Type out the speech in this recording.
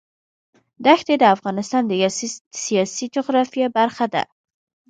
دښتې د افغانستان د سیاسي جغرافیه برخه ده.